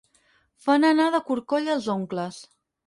Fan anar de corcoll els oncles.